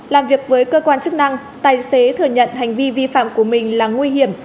làm việc với cơ quan chức năng tài xế thừa nhận hành vi vi phạm của mình là nguy hiểm